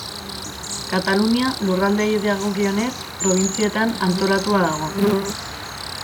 Katalunia lurraldeei dagokionez probintzietan antolatua dago.